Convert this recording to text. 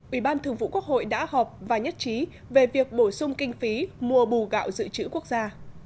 ủy ban thường vụ quốc hội đã họp và nhất trí về việc bổ sung kinh phí mua bù gạo dự trữ quốc gia